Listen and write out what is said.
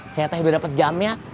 saya teh udah dapat jamnya